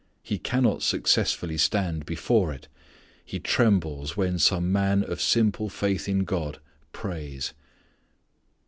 He cannot successfully stand before it. He trembles when some man of simple faith in God prays.